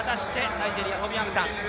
ナイジェリア、トビ・アムサン。